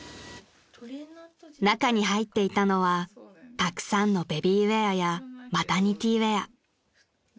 ［中に入っていたのはたくさんのベビーウエアやマタニティーウエア］